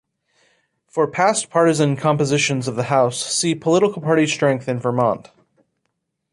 For past partisan compositions of the House see Political party strength in Vermont.